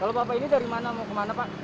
kalau bapak ini mau kemana pak